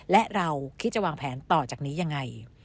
และเราคิดจะวางแผนต่อจากนี้ยังไง